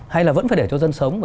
hay là vẫn phải để cho dân sống